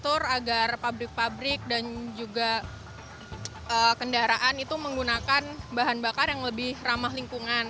mengatur agar pabrik pabrik dan juga kendaraan itu menggunakan bahan bakar yang lebih ramah lingkungan